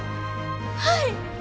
はい！